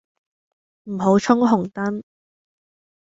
唔好衝紅燈